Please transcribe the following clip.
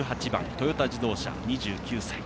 トヨタ自動車、２９歳。